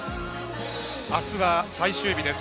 あすは、最終日です。